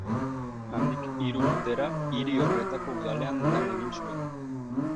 Handik hiru urtera, hiri horretako udalean lan egin zuen.